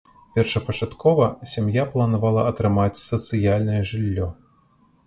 Першапачаткова сям'я планавала атрымаць сацыяльнае жыллё.